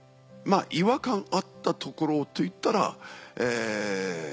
違和感あったところといったらえ。